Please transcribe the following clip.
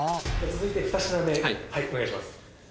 続いて２品目お願いします